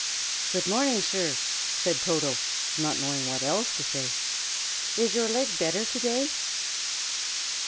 "Good morning, sir!" said Toto, not knowing what else to say. "Is your leg better, to day?"